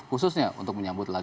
khususnya untuk menyambut lagu